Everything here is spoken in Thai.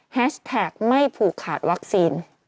แท็กไม่ผูกขาดวัคซีน